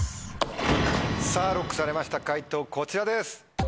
さぁＬＯＣＫされました解答こちらです。